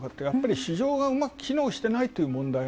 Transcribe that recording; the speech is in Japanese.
やっぱり市場がうまく機能していない。